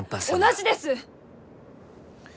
同じです。